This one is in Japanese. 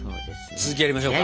続きやりましょうか！